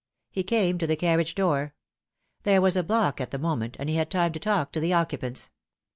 He came to the carriage door. There was a block at the moment, and he had time to talk to the occupants.